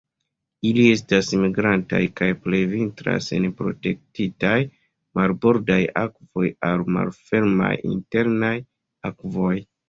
Ili estas migrantaj kaj plej vintras en protektitaj marbordaj akvoj aŭ malfermaj internaj akvoj.